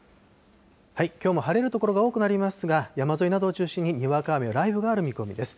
きょうも晴れる所が多くなりますが、山沿いなどを中心ににわか雨や雷雨がある見込みです。